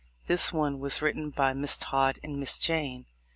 This one was written by Miss Todd and Miss Jayne.